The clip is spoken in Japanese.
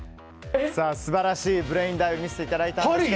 素晴らしいブレインダイブを見せていただいたんですが。